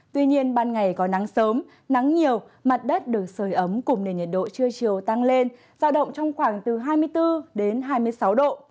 tuy nhiên ban ngày có nắng sớm nắng nhiều mặt đất được sơi ấm cùng nền nhiệt độ trưa chiều tăng lên giao động trong khoảng từ hai mươi bốn đến hai mươi sáu độ